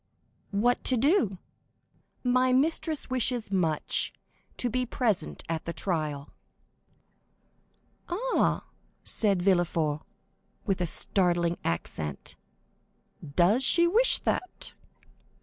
"What to do?" "My mistress wishes much to be present at the trial." "Ah," said Villefort, with a startling accent; "does she wish that?"